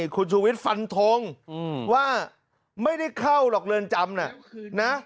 คุณชุวิตฟันทงว่าไม่ได้เข้าหรอกเรินจำนะ